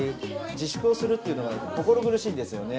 自粛をするというのが心苦しいんですよね。